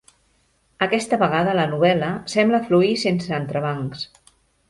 Aquesta vegada la novel·la sembla fluir sense entrebancs.